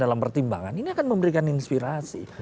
dalam pertimbangan ini akan memberikan inspirasi